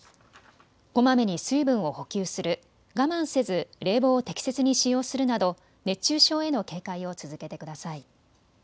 こまめに水分を補給する、我慢せず冷房を適切に使用するなど熱中症への警戒を続けてください。